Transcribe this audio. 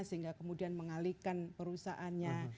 sehingga kemudian mengalihkan perusahaannya